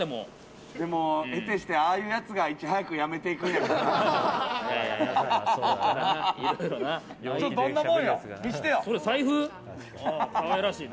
でも、えてしてああいうやつがいち早くやめていくんよね。